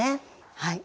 はい。